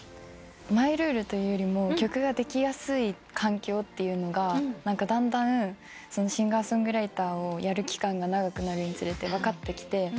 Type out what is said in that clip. マイルールというよりも曲ができやすい環境がだんだんシンガー・ソングライターをやる期間が長くなるにつれて分かってきて。